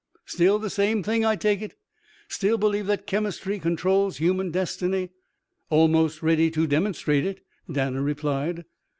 Still the same thing, I take it? Still believe that chemistry controls human destiny?" "Almost ready to demonstrate it," Danner replied.